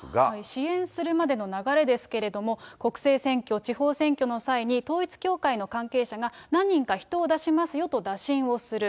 支援するまでの流れですけれども、国政選挙、地方選挙の際に統一教会の関係者が何人か人を出しますよと打診をする。